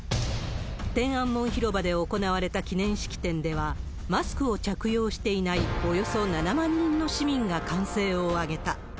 天安門広場で行われた記念式典では、マスクを着用していないおよそ７万人の市民が歓声を上げた。